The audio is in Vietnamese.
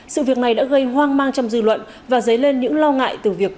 sự việc này đã gây hoang mang trong dư luận và dấy lên những lo ngại từ việc